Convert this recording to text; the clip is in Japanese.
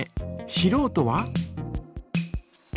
しろうとは？